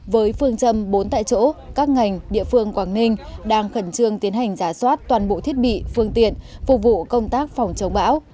với phương châm bốn tại chỗ các ngành địa phương quảng ninh đang khẩn trương tiến hành giả soát toàn bộ thiết bị phương tiện phục vụ công tác phòng chống bão